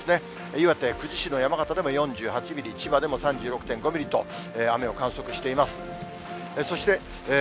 岩手・久慈市の４８ミリ、千葉でも３６．５ミリと、雨を観測しています。